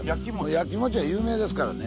やきもちは有名ですからね。